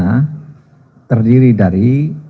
pelaksana terdiri dari